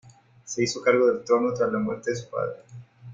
Se hizo cargo del trono tras la muerte de su padre.